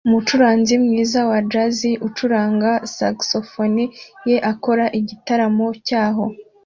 Umucuranzi mwiza wa jazz ucuranga saxofone ye akora igitaramo cyaho